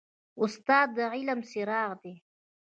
استاد د علم څراغ دی.